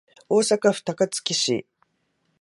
大阪府高槻市